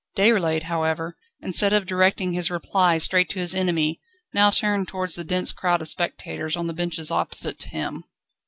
Déroulède, however, instead of directing his reply straight to his enemy, now turned towards the dense crowd of spectators, on the benches opposite to him.